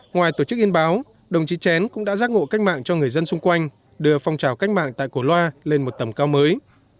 ngoài tổ chức in báo đồng chí chén cũng đã giác ngộ cách mạng cho người dân xung quanh đưa phong trào cách mạng tại cổ loa lên một tầm cao mới